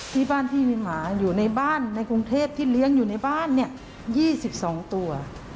ที่มีหมาอยู่ในบ้านในกรุงเทพที่เลี้ยงอยู่ในบ้าน๒๒ตัว